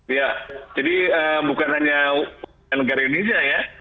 iya jadi bukan hanya warga negara indonesia ya